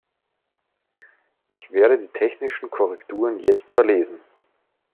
Ich werde die technischen Korrekturen jetzt verlesen.